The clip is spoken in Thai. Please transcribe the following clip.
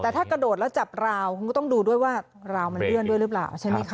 แต่ถ้ากระโดดแล้วจับราวคุณก็ต้องดูด้วยว่าราวมันเลื่อนด้วยหรือเปล่าใช่ไหมคะ